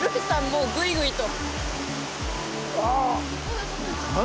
もうグイグイと。